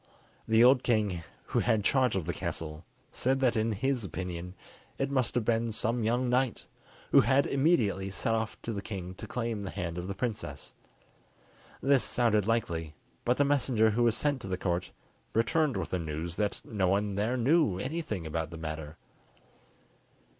The old knight who had charge of the castle said that in his opinion it must have been some young knight, who had immediately set off to the king to claim the hand of the princess. This sounded likely, but the messenger who was sent to the Court returned with the news that no one there knew anything about the matter.